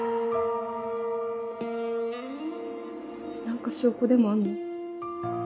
何か証拠でもあるの？